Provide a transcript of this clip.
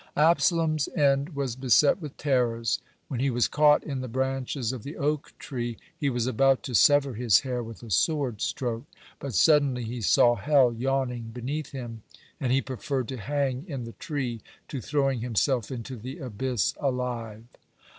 (103) Absalom's end was beset with terrors. When he was caught in the branches of the oak tree, he was about to sever his hair with a sword stroke, but suddenly he saw hell yawning beneath him, and he preferred to hang in the tree to throwing himself into the abyss alive.